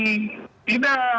oh nggak ada yang nggak